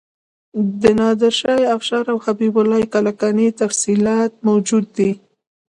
د نادر شاه افشار او حبیب الله کلکاني تفصیلات موجود دي.